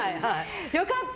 良かった！